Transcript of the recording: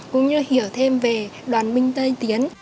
cũng như hiểu thêm về đoàn binh tây